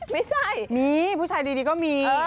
ไม่ใช่มีผู้ชายดีก็มี